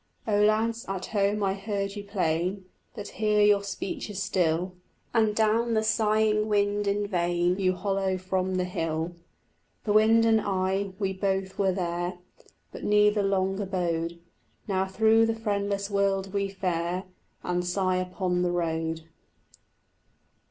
Oh lads, at home I heard you plain, But here your speech is still, And down the sighing wind in vain You hollo from the hill. The wind and I, we both were there, But neither long abode; Now through the friendless world we fare And sigh upon the road.